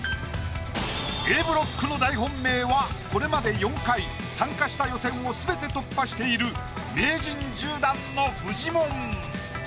Ａブロックの大本命はこれまで４回参加した予選をすべて突破している名人１０段のフジモン。